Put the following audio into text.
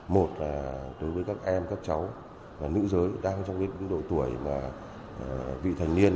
một là đối với các em các cháu nữ giới đang trong độ tuổi vị thành niên